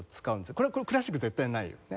これはクラシック絶対にないよね。